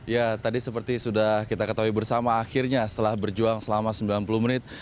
ya tadi seperti sudah kita ketahui bersama akhirnya setelah berjuang selama sembilan puluh menit